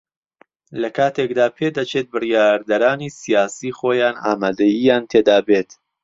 لە کاتێکدا پێدەچێت بڕیاردەرانی سیاسی خۆیان ئامادەیییان تێدا بێت